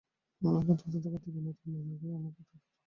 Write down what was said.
এখন তদন্ত করতে গিয়ে নতুন অনেকের নাম আসছে, তাদেরই ধরা হচ্ছে।